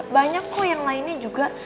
banyak kok yang lainnya juga